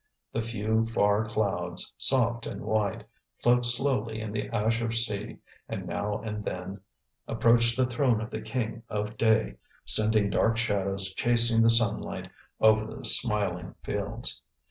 The few, far clouds, soft and white, float slowly in the azure sea and now and then approach the throne of the king of day, sending dark shadows chasing the sunlight over the smiling fields.